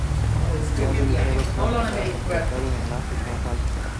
Se han realizado planes para completar el enlace que aún falta.